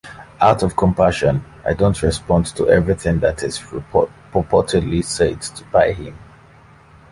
Out of compassion, I don't respond to everything that is purportedly said by him.